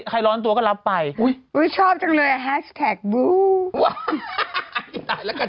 ใครร้อนตัวก็รับไปอุ้ยอุ้ยชอบจังเลยแฮชแท็กวู้ตายแล้วกัน